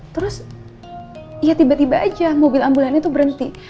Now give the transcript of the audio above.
terus ya tiba tiba aja mobil ambulannya tuh berhenti